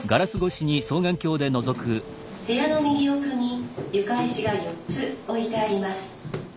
「部屋の右奥に床石が４つ置いてあります」。